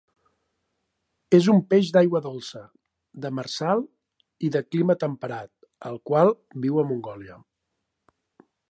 És un peix d'aigua dolça, demersal i de clima temperat, el qual viu a Mongòlia.